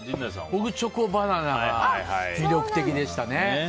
僕、チョコバナナが魅力的でしたね。